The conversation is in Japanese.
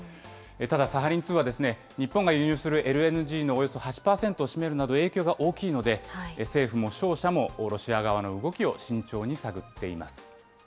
ただ、サハリン２は日本が輸入するＬＮＧのおよそ８％を占めるなど影響が大きいので、政府も商社もロシア側の動きを慎重に探っています。